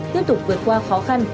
tiếp tục vượt qua khó khăn